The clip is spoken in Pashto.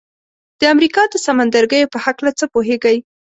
د امریکا د سمندرګیو په هکله څه پوهیږئ؟